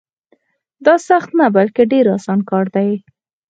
دا سخت نه بلکې ډېر اسان کار دی.